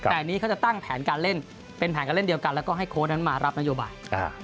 แต่อันนี้เขาจะตั้งแผนการเล่นเป็นแผนการเล่นเดียวกันแล้วก็ให้โค้ชนั้นมารับนโยบาย